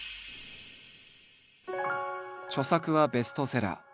著作はベストセラー。